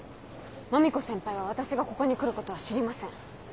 マミコ先輩は私がここに来ることは知りません。